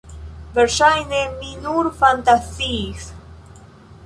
Verŝajne mi nur fantaziis.